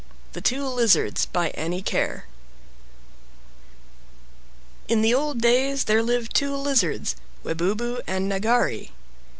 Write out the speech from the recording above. THE TWO LIZARDS By Annie Ker In the old days there lived two lizards, Webubu and Nagari.